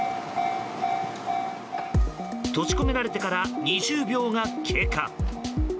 閉じ込められてから２０秒が経過。